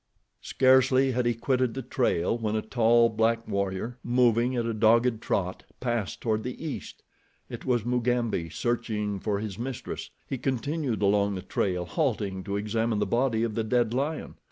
Scarcely had he quitted the trail when a tall, black warrior, moving at a dogged trot, passed toward the east. It was Mugambi, searching for his mistress. He continued along the trail, halting to examine the body of the dead lion.